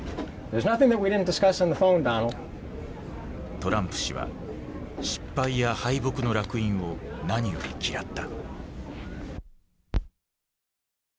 トランプ氏は失敗や敗北の烙印を何より嫌った。